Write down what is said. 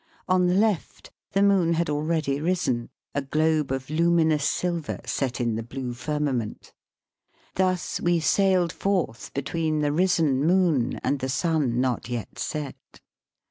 On the left the moon had already risen — a globe of luminous silver set in the blue firmament. Thus we sailed forth be tween the risen moon and the sun not yet set.